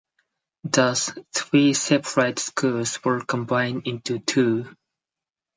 Thus, three separate schools were combined into two.